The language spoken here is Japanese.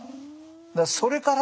それからですね。